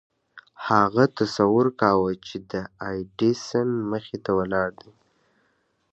هغه تصور کاوه چې د ايډېسن مخې ته ولاړ دی.